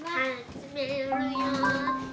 始めるよ。